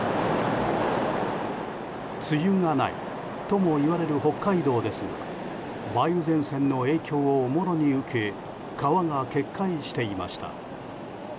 梅雨がないともいわれる北海道ですが梅雨前線の影響をもろに受け川が決壊していました。